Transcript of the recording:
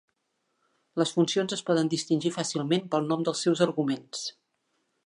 Les funcions es poden distingir fàcilment pel nom dels seus arguments.